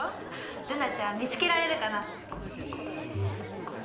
瑠菜ちゃん見つけられるかな？え。